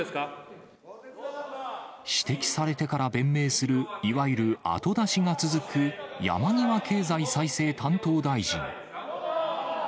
指摘されてから弁明する、いわゆる後出しが続く山際経済再生担当大臣。